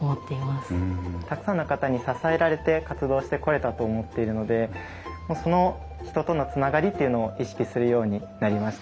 たくさんの方に支えられて活動してこれたと思っているのでその人とのつながりというのを意識するようになりました。